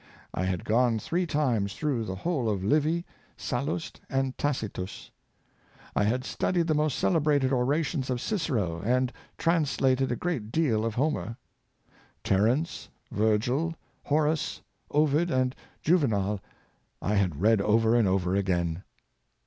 I had gone three times through the whole of Livy, Sallust, and Tacitus. I had studied the most celebrated orations of Cicero, and translated a great deal of Homer. Terence, Virgil, Horace, Ovid, and Juvenal I had read over and over again."